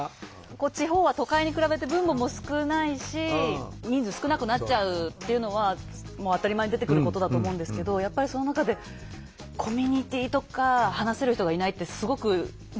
地方は都会に比べて分母も少ないし人数少なくなっちゃうっていうのはもう当たり前に出てくることだと思うんですけどやっぱりその中でコミュニティーとか話せる人がいないってすごくね？